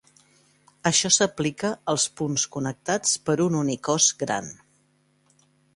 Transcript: Això s'aplica als punts connectats per un únic os gran.